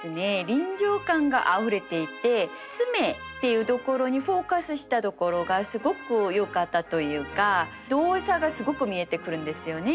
臨場感があふれていて爪っていうところにフォーカスしたところがすごくよかったというか動作がすごく見えてくるんですよね。